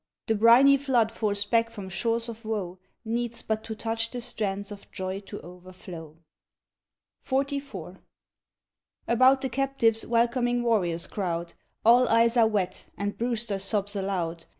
The briny flood forced back from shores of woe, Needs but to touch the strands of joy to overflow. XLV. About the captives welcoming warriors crowd, All eyes are wet, and Brewster sobs aloud.